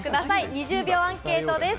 ２０秒アンケートです。